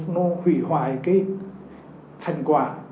nó hủy hoài thành quả